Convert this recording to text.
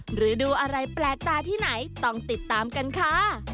หรือดูอะไรแปลกตาที่ไหนต้องติดตามกันค่ะ